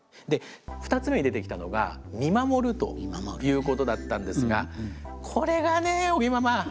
２つ目に出てきたのが見守るということだったんですがこれがね尾木ママ。